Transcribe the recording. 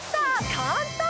簡単！